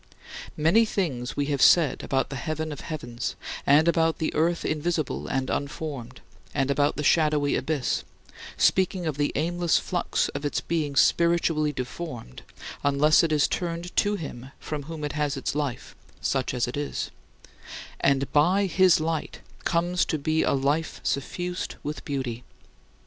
Many things we have said about the heaven of heavens, and about the earth invisible and unformed, and about the shadowy abyss speaking of the aimless flux of its being spiritually deformed unless it is turned to him from whom it has its life (such as it is) and by his Light comes to be a life suffused with beauty.